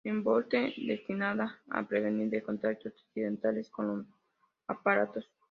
Envolvente destinada a prevenir de contactos accidentales con los aparatos.